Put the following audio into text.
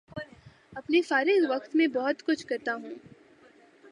اپنے فارغ وقت میں بہت کچھ کرتا ہوں